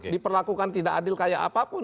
diperlakukan tidak adil kayak apapun